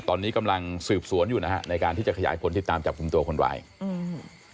ตอนนี้กำลังสืบสวนอยู่นะฮะในการที่จะขยายผลติดตามจับกลุ่มตัวคนร้ายอืม